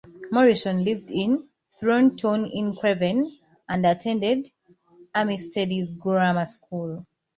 Morrison lived in Thornton-in-Craven and attended Ermysted's Grammar School.